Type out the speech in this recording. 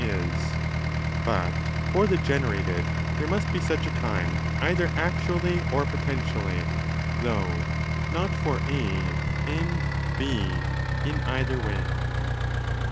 282° DE CAELO 20 there must be such a time either actually or potentially, though not for A and 8 in either way.